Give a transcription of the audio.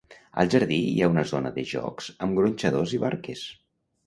Al jardí hi ha una zona de jocs amb gronxadors i barques.